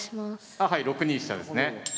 あはい６二飛車ですね。